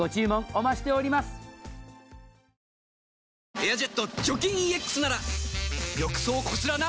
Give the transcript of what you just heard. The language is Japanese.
「エアジェット除菌ＥＸ」なら浴槽こすらな。